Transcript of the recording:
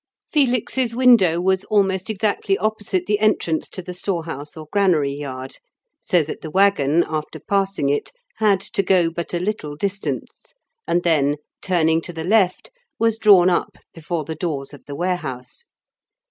Felix's window was almost exactly opposite the entrance to the storehouse or granary yard, so that the waggon, after passing it, had to go but a little distance, and then, turning to the left, was drawn up before the doors of the warehouse.